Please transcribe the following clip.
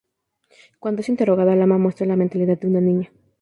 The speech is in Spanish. Cuando es interrogada, Luma demuestra la mentalidad de una niña.